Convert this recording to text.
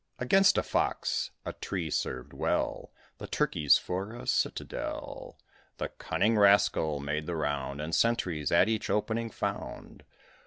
Against a Fox, a tree served well The Turkeys for a citadel. The cunning rascal made the round, And sentries at each opening found.